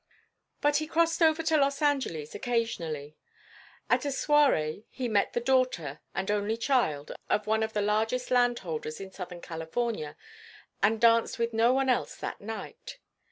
But he crossed over to Los Angeles occasionally. At a soirée he met the daughter—and only child—of one of the largest landholders in Southern California, and danced with no one else that night.